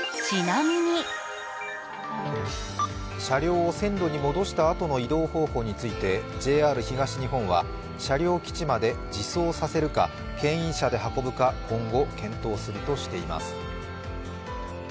車両を線路に戻したあとの移動方法についてＪＲ東日本は、車両基地まで自走させるかけん引車で運ぶか今後検討するとしています。